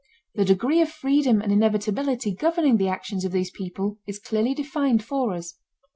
The degree of freedom and inevitability governing the actions of these people is clearly defined for us.